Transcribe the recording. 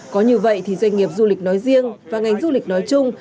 có như vậy thì doanh nghiệp du lịch nói riêng và ngành du lịch nói chung